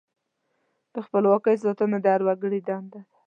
د خپلواکۍ ساتنه د هر وګړي دنده ده.